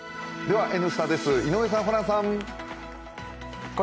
では「Ｎスタ」です、井上さん、ホランさん。